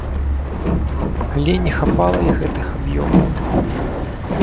Але не хапала і гэтых аб'ёмаў.